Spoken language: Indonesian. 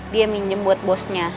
dia minjem buat bosnya